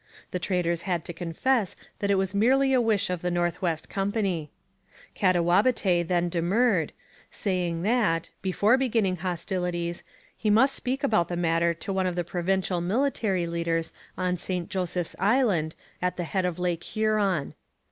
The traders had to confess that it was merely a wish of the North West Company. Katawabetay then demurred, saying that, before beginning hostilities, he must speak about the matter to one of the provincial military leaders on St Joseph's Island, at the head of Lake Huron.